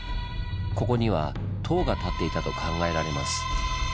ここには塔が建っていたと考えられます。